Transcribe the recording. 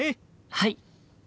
はい！